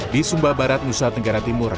di sumba barat nusa tenggara timur